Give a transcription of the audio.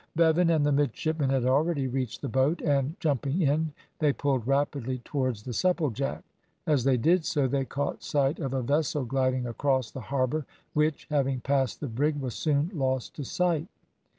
Bevan and the midshipmen had already reached the boat, and, jumping in, they pulled rapidly towards the Supplejack. As they did so, they caught sight of a vessel gliding across the harbour, which, having passed the brig, was soon lost to sight.